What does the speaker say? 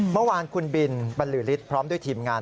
เมื่อวานคุณบินบรรลือฤทธิ์พร้อมด้วยทีมงาน